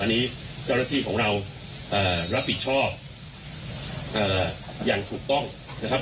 อันนี้เจ้าหน้าที่ของเรารับผิดชอบอย่างถูกต้องนะครับ